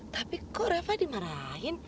tapi kok reva dimarahin